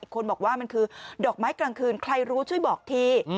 คนบอกว่ามันคือดอกไม้กลางคืนใครรู้ช่วยบอกที